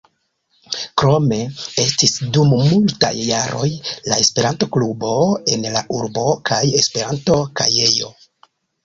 Krome estis dum multaj jaroj la Esperanto-klubo en la urbo, kaj Esperanto-kajejo.